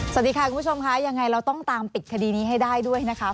สวัสดีค่ะคุณผู้ชมค่ะยังไงเราต้องตามปิดคดีนี้ให้ได้ด้วยนะคะ